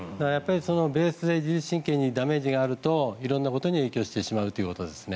ベースで自律神経にダメージがあると色んなことに影響してしまうということです。